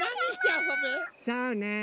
そうね